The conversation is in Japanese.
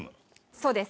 そうです。